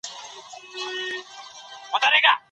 لویه جرګه د هیواد د زرین تاریخ پاڼو ته خپله لار څنګه پیدا کوي؟